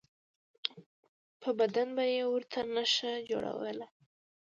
په بدن به یې ورته نښه جوړوله.